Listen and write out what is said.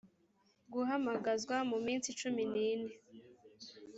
guhamagazwa mu minsi cumi n ine